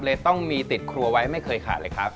ต้องมีติดครัวไว้ไม่เคยขาดเลยครับ